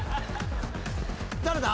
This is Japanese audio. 誰だ！？